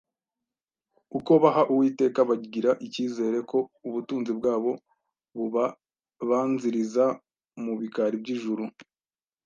Uko baha Uwiteka bagira icyizere ko ubutunzi bwabo bubabanziriza mu bikari by’ijuru